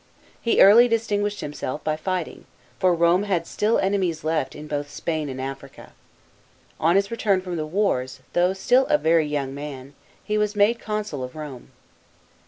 He early distinguished himself by fight ing, for Rome had still enemies left in both Spain and Africa. On his return from the wars, though still a very young man, he was made consul of Rome.